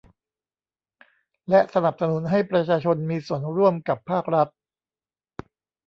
และสนับสนุนให้ประชาชนมีส่วนร่วมกับภาครัฐ